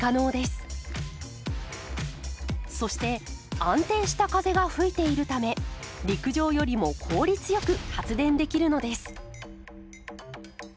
そして安定した風が吹いているため陸上よりも効率よく発電できるのです。